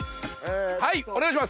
はいお願いします。